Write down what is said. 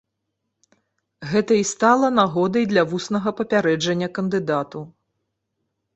Гэта і стала нагодай для вуснага папярэджання кандыдату.